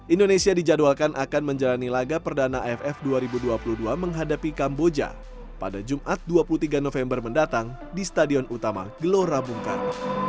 indonesia dijadwalkan akan menjalani laga perdana aff dua ribu dua puluh dua menghadapi kamboja pada jumat dua puluh tiga november mendatang di stadion utama gelora bung karno